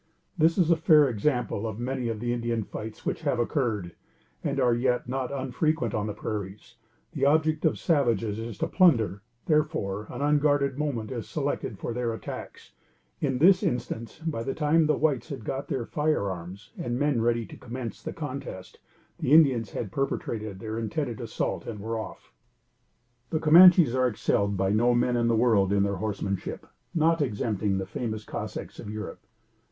This is a fair sample of many of the Indian fights which have occurred, and are yet not unfrequent, on the prairies; the object of the savages is to plunder; therefore, an unguarded moment is selected for their attacks. In this instance, by the time the whites had got their firearms and men ready to commence the contest, the Indians had perpetrated their intended assault and were off. [Illustration: CAMANCHE WARRIOR.] The Camanches are excelled by no men in the world in their horsemanship, not excepting the famous Cossacks of Europe.